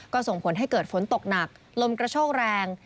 ก็ส่งผลให้เกิดฝนตกหนักลมกระโชกแรง